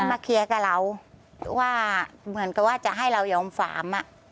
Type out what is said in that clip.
มาเคลียร์กับเราว่าเหมือนกับว่าจะให้เรายอมฝาม